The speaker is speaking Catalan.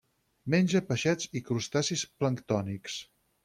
Menja peixets i crustacis planctònics.